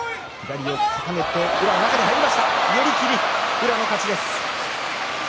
宇良の勝ちです。